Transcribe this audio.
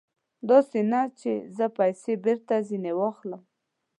داسې نه چې زه پیسې بېرته ځنې واخلم.